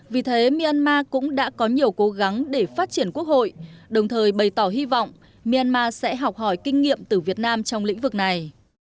vì thế myanmar cũng đã có nhiều cố gắng để phát triển quốc hội đồng thời bày tỏ hy vọng myanmar sẽ học hỏi kinh nghiệm từ việt nam trong lĩnh vực này